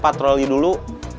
saya patroli dulu